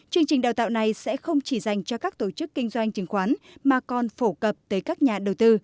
chương trình đào tạo này sẽ không chỉ dành cho các tổ chức kinh doanh chứng khoán mà còn phổ cập tới các nhà đầu tư